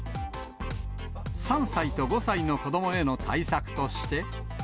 ３歳と５歳の子どもへの対策として。